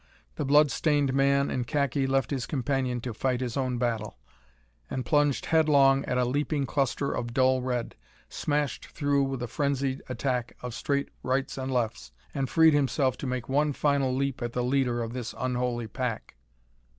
The blood stained man in khaki left his companion to fight his own battle, and plunged headlong at a leaping cluster of dull red, smashed through with a frenzied attack of straight rights and lefts, and freed himself to make one final leap at the leader of this unholy pack.